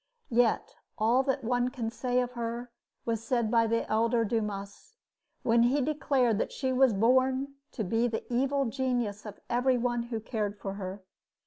Yet all that one can say of her was said by the elder Dumas when he declared that she was born to be the evil genius of every one who cared for her.